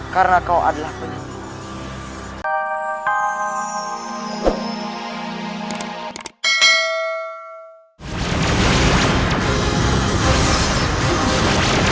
karena kau adalah penyakit